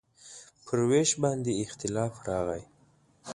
پر وېش باندې اختلاف راغی.